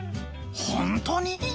ホントに？